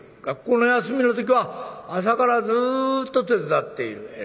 学校の休みの時は朝からずっと手伝っている。